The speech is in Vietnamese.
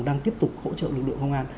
đang tiếp tục hỗ trợ lực lượng công an